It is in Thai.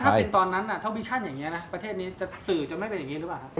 ถ้าเป็นตอนนั้นท็อปวิชั่นอย่างนี้นะประเทศนี้จะสื่อจนไม่เป็นอย่างนี้หรือเปล่าครับ